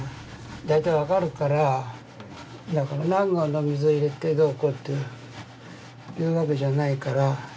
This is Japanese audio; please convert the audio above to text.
だから何合の水を入れてどうこうっていうわけじゃないから。